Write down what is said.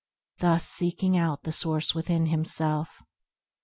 Thus seeking out the source within himself.